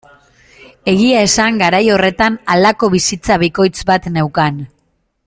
Egia esan garai horretan halako bizitza bikoitz bat neukan.